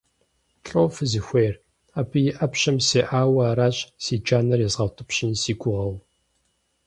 ЛӀо фызыхуейр? Абы и Ӏэпщэм сеӀауэ аращ, си джанэр езгъэутӀыпщын си гугъэу.